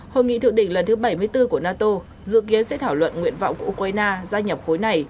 hội nghị thượng đỉnh lần thứ bảy mươi bốn của nato dự kiến sẽ thảo luận nguyện vọng của ukraine gia nhập khối này